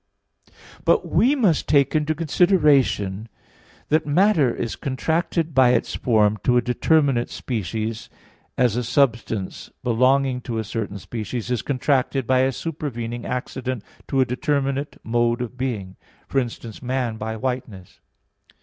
But we must take into consideration that matter is contracted by its form to a determinate species, as a substance, belonging to a certain species, is contracted by a supervening accident to a determinate mode of being; for instance, man by whiteness.